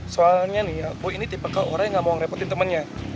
soalnya nih aku ini tipe ke orang yang gak mau ngerepotin temennya